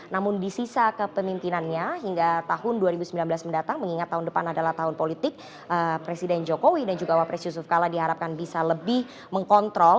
namun di sisa kepemimpinannya hingga tahun dua ribu sembilan belas mendatang mengingat tahun depan adalah tahun politik presiden jokowi dan juga wapres yusuf kala diharapkan bisa lebih mengkontrol